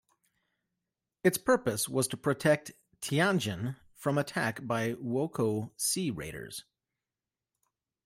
Its purpose was to protect Tianjin from attack by wokou sea raiders.